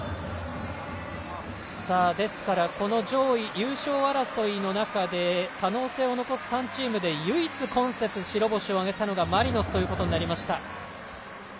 ですから上位、優勝争いの中で可能性を残す３チームで唯一、今節、白星を挙げたのはマリノスとなりました。